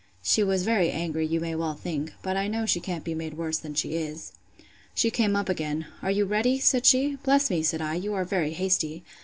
She was very angry, you may well think. But I know she can't be made worse than she is. She came up again. Are you ready? said she. Bless me, said I, you are very hasty!